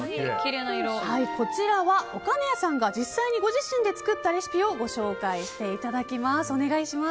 こちらは岡根谷さんが実際にご自身で作ったレシピをご紹介していただきます。